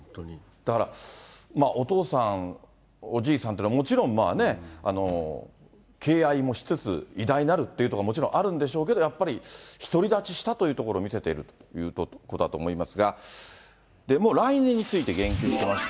だからお父さん、おじいさんというのはもちろん、まあね、敬愛もしつつ、偉大なるというところはもちろんあるんでしょうけど、やっぱり一人立ちしたというところを見せているということだと思いますが、もう来年について言及しまして。